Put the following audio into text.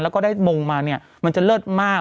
แล้วก็ได้มงมาเนี่ยมันจะเลิศมาก